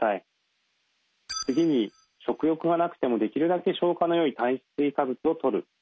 次に食欲がなくてもできるだけ消化のよい炭水化物をとる。